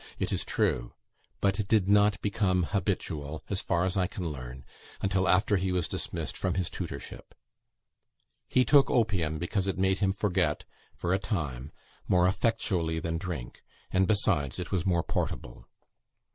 It is true; but it did not become habitual, as far as I can learn, until after he was dismissed from his tutorship. He took opium, because it made him forget for a time more effectually than drink; and, besides, it was more portable.